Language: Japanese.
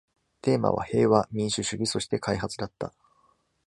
テーマは平和、民主主義、そして開発だった。